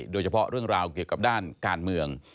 โดยเฉพาะเรื่องราวเกี่ยวกับด้านการเมือง